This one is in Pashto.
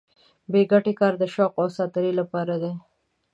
بې ګټې کار د شوق او ساتېرۍ لپاره دی.